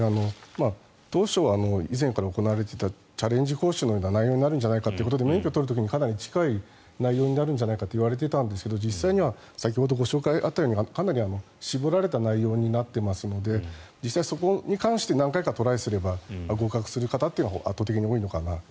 当初は以前から行われていたチャレンジ講習のような内容になるんじゃないかということで免許を取る時にかなり近い内容になるんじゃないかといわれていたんですが実際には先ほどご紹介があったようにかなり絞られた内容になっていますので実際そこに関して何回かトライすれば合格する方は圧倒的に多いのかなと。